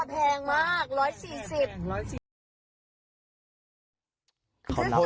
แต่แพงมาก๑๔๐